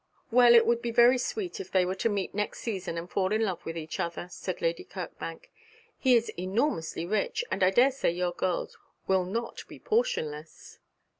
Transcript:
'Well, it would be very sweet if they were to meet next season and fall in love with each other,' said Lady Kirkbank. 'He is enormously rich, and I daresay your girls will not be portionless.'